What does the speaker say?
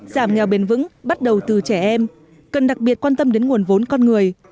giảm nghèo bền vững bắt đầu từ trẻ em cần đặc biệt quan tâm đến nguồn vốn con người